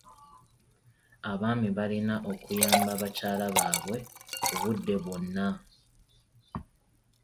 Abaami balina okuyamba bakyala baabwe obudde bwonna.